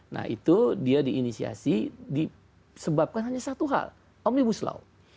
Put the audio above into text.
nah itu dia diinisiasi disebabkan hanya satu hal omnibus law